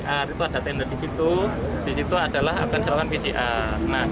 masyarakat dan penyelenggaraan